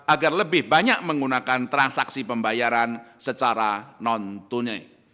agar lebih banyak menggunakan transaksi pembayaran secara non tunai